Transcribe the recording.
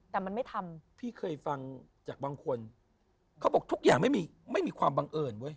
แต่มันไม่ทำพี่เคยฟังจากบางคนเขาบอกทุกอย่างไม่มีไม่มีความบังเอิญเว้ย